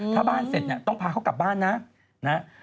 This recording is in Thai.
ถ้าบ้านเสร็จต้องพาเขากลับบ้านนะ